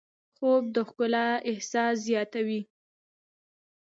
خوب د ښکلا احساس زیاتوي